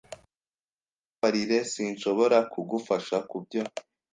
Mumbabarire, sinshobora kugufasha kubyo.